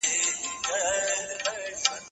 تاسي تل د خپلي روغتیا په پوره ارزښت او قیمت پوهېږئ.